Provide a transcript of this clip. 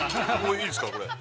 ◆いいですか、これ。